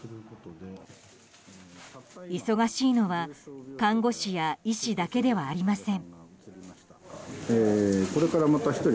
忙しいのは看護師や医師だけではありません。